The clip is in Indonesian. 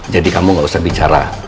jadi kamu gak usah bicara